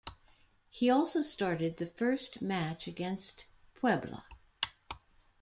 He also started the first match against Puebla.